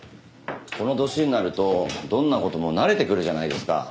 この年になるとどんな事も慣れてくるじゃないですか。